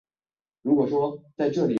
现时为香港篮球联赛乙组参赛球队。